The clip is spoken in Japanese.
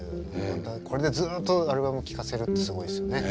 これでずっとアルバム聴かせるってすごいですよね。